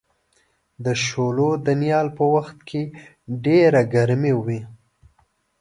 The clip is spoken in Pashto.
د شولو د نیال په وخت کې ډېره ګرمي وي.